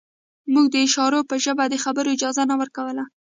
موږ د اشارو په ژبه د خبرو اجازه نه ورکوله